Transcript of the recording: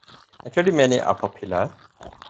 Including many are popular.